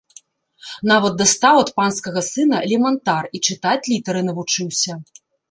Нават дастаў ад панскага сына лемантар і чытаць літары навучыўся.